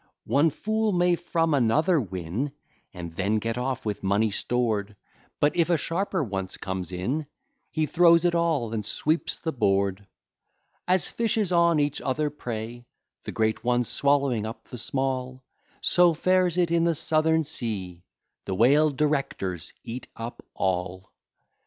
One fool may from another win, And then get off with money stored; But, if a sharper once comes in, He throws it all, and sweeps the board. As fishes on each other prey, The great ones swallowing up the small, So fares it in the Southern Sea; The whale directors eat up all.